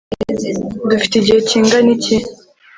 dufite igihe kingana iki